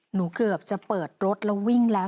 เกือบจะเปิดรถแล้ววิ่งแล้ว